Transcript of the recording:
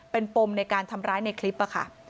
เป็นปมในการทำร้ายในคลิปค่ะ